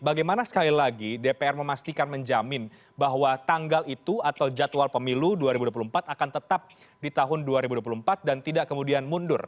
bagaimana sekali lagi dpr memastikan menjamin bahwa tanggal itu atau jadwal pemilu dua ribu dua puluh empat akan tetap di tahun dua ribu dua puluh empat dan tidak kemudian mundur